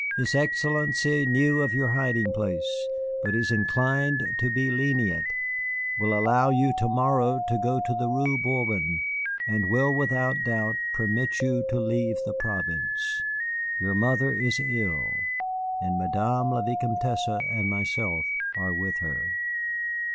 His Excellency knew of your hiding place, but is inclined to be lenient, will allow you to morrow to go to the Rue Bourbon, and will without doubt permit you to leave the province. Your mother is ill, and Madame la Vicomtesse and myself are with her.